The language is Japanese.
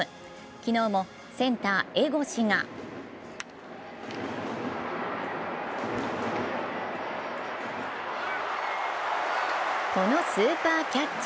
昨日もセンター・江越がこのスーパーキャッチ。